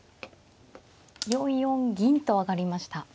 ４四銀と上がりました。